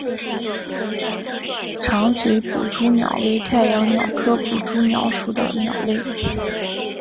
长嘴捕蛛鸟为太阳鸟科捕蛛鸟属的鸟类。